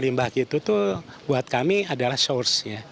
limbah itu tuh buat kami adalah source ya